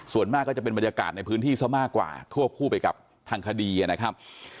ส่วนมากก็จะเป็นบรรยากาศในพื้นที่ซะมากกว่าควบคู่ไปกับทางคดีนะครับ